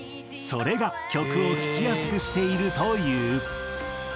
それが曲を聴きやすくしているという。